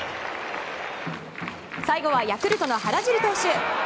最後はヤクルトの原樹理投手。